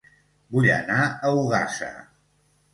Vull anar a Ogassa